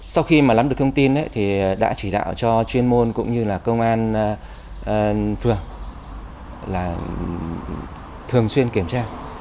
sau khi mà lắm được thông tin thì đã chỉ đạo cho chuyên môn cũng như là công an phường là thường xuyên kiểm tra